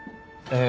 え